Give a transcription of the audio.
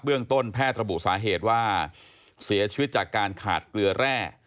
ต้นแพทย์ระบุสาเหตุว่าเสียชีวิตจากการขาดเกลือแร่